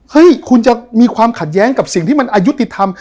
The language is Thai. ให้คุณจะมีความขัดแย้งกับสิ่งที่มันอายุติธรรม